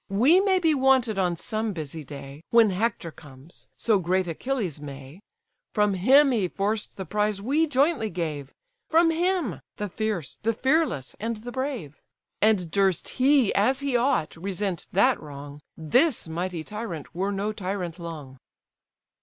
We may be wanted on some busy day, When Hector comes: so great Achilles may: From him he forced the prize we jointly gave, From him, the fierce, the fearless, and the brave: And durst he, as he ought, resent that wrong, This mighty tyrant were no tyrant long."